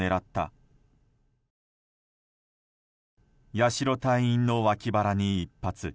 八代隊員の脇腹に１発。